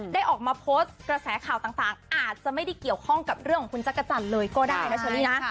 ออกมาโพสต์กระแสข่าวต่างอาจจะไม่ได้เกี่ยวข้องกับเรื่องของคุณจักรจันทร์เลยก็ได้นะเชอรี่นะ